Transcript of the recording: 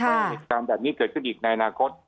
การเห็นการแบบนี้เกิดขึ้นอีกในอนาคต